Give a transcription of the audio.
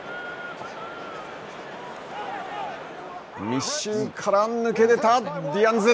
密集から抜け出たディアンズ。